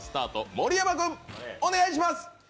盛山君、お願いします。